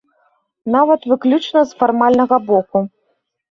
Нават выключна з фармальнага боку.